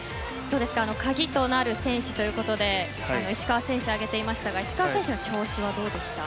鍵となる選手ということで石川選手を挙げていましたが石川選手の調子はどうでした？